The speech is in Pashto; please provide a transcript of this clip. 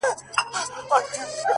د سر په سترگو چي هغه وينمه؛